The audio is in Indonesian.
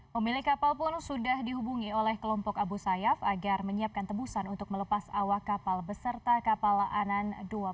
pemilik kapal pun sudah dihubungi oleh kelompok abu sayyaf agar menyiapkan tebusan untuk melepas awak kapal beserta kapal anan dua puluh dua